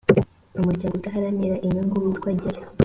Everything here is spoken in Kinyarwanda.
umuryango udaharanira inyungu witwa gerayo